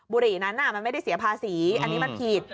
บุหรี่นั้นมันไม่ได้เสียภาษีอันนี้มันผิด